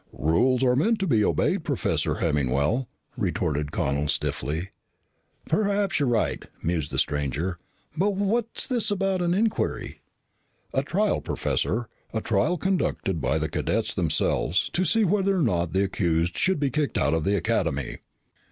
"Rules are meant to be obeyed, Professor Hemmingwell," retorted Connel stiffly. "Perhaps you're right," mused the stranger. "But what's this about an inquiry?" "A trial, Professor. A trial conducted by the cadets themselves to see whether or not the accused should be kicked out of the Academy."